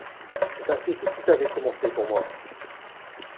C'est ainsi que tout avait commencé pour moi.